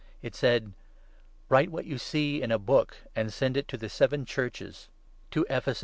It said —' Write what you n see in a book and send it to the seven Churches, to Ephesus, 1 Dan.